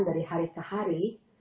dari hari ke hari